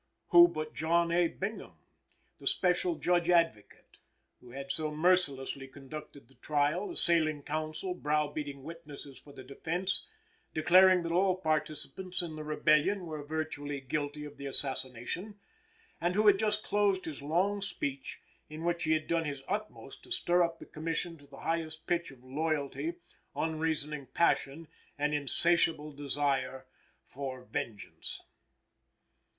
Who but John A. Bingham, the Special Judge Advocate, who had so mercilessly conducted the trial, assailing counsel, browbeating witnesses for the defense, declaring that all participants in the rebellion were virtually guilty of the assassination, and who had just closed his long speech, in which he had done his utmost to stir up the Commission to the highest pitch of loyalty, unreasoning passion and insatiable desire for vengeance?